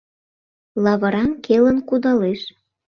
Лавырам келын кудалеш.